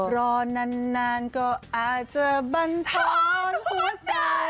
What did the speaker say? รอนานก็อาจจะบรรท้อนหัวใจทำไงเหมือนพ่อใจ